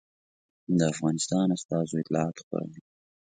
د افغانستان استازو اطلاعات خپرول.